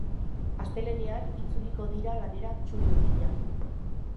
Astelehenean itzuliko dira lanera txuri-urdinak.